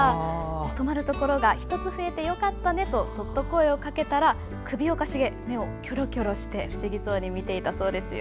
止まるところが１つ増えてよかったねとそっと声をかけたら首をかしげ目をきょろきょろして不思議そうに見ていたそうですよ。